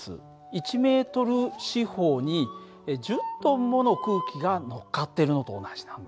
１ｍ四方に１０ｔもの空気がのっかってるのと同じなんですよ。